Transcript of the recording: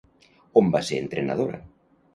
On va ser entrenadora?